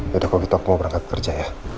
yaudah kalau gitu aku mau berangkat kerja ya